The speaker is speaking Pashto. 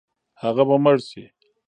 هغه به مړ شي.